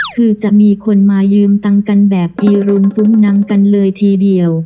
คือจะมีคนมายืมตังค์กันแบบอีรุงตุ้มนังกันเลยทีเดียว